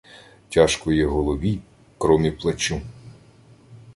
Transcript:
Тяжко є голові кромі плечу